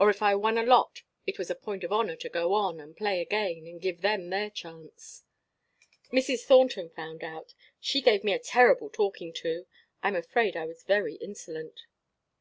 Or if I won a lot it was a point of honor to go on and play again, and give them their chance. "Mrs. Thornton found out. She gave me a terrible talking to. I am afraid I was very insolent.